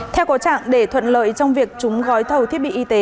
theo có trạng để thuận lợi trong việc chúng gói thầu thiết bị y tế